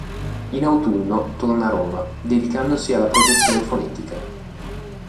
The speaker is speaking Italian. In autunno torna a Roma, dedicandosi alla produzione fonetica.